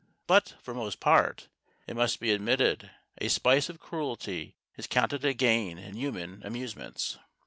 But, for the most part, it must be admitted, a spice of cruelty is counted a gain in human amusements.